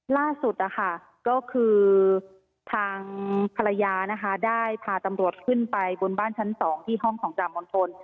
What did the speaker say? ล่าสุดคือทางภรรยาพาตำรวจขึ้นไปบนบ้านชั้น๒ที่ห้องของตรรมนธน